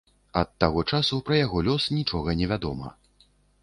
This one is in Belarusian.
Ад таго часу пра яго лёс нічога невядома.